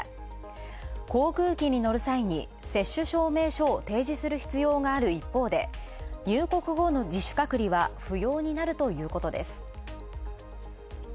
航空機に乗る際に接種証明書を提示する必要がある一方で、入国後の自主隔離は不要になるということです。